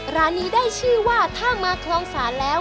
ร้านนี้ได้ชื่อว่าถ้ามาคลองศาลแล้ว